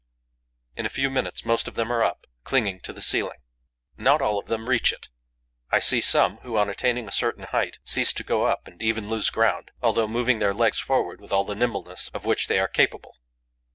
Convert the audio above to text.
In a few minutes, most of them are up, clinging to the ceiling. Not all of them reach it. I see some who, on attaining a certain height, cease to go up and even lose ground, although moving their legs forward with all the nimbleness of which they are capable.